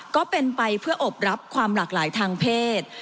ก็เป็นไปเพื่ออบรับความหลากหลายทางเพศ